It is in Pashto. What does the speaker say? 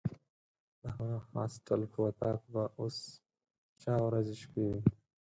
د هغه هاسټل په وطاق به اوس چا ورځې شپې وي.